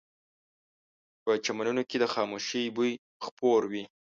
په چمنونو کې د خاموشۍ بوی خپور وي